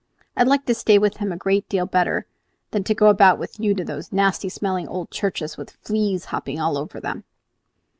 I like to stay with him a great deal better than to go about with you to those nasty smelling old churches, with fleas hopping all over them!"